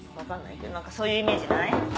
何かそういうイメージない？